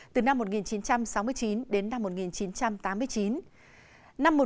từ năm một nghìn chín trăm sáu mươi chín đến năm một nghìn chín trăm tám mươi chín